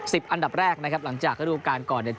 อันดับแรกนะครับหลังจากระดูการก่อนเนี่ย